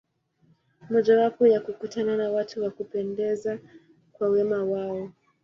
Mojawapo ni kukutana na watu wa kupendeza kwa wema wao.